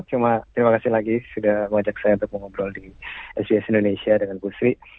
cuma terima kasih lagi sudah mengajak saya untuk mengobrol di sbs indonesia dengan bu sri